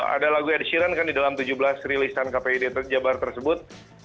ada lagu ed sheeran kan di dalam tujuh belas rilisan kpi di jawa barat tersebut